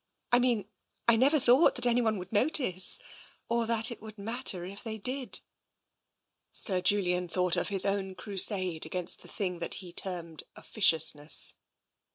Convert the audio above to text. I mean, I never thought that anyone would notice, or that it would matter if they did." Sir Julian thought of his own crusade against the thing that he termed officiousness.